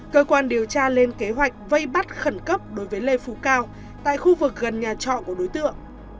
cơ quan điều tra lên kế hoạch vây bắt khẩn cấp đối với lê phú cao tại khu vực gần nhà trọ của đối tượng